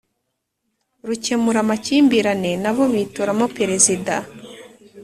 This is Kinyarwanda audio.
rukemura amakimbirane na bo bitoramo Perezida